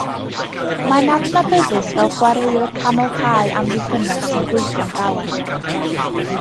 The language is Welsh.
Mae'n adnabyddus fel chwaraewr canol cae amddiffynnol sy'n gweithio'n galed.